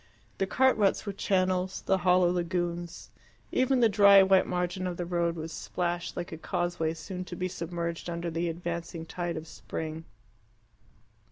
The cart ruts were channels, the hollow lagoons; even the dry white margin of the road was splashed, like a causeway soon to be submerged under the advancing tide of spring.